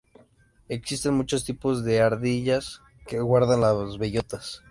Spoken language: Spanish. Existen muchos tipos de ardillas que guardan las bellotas.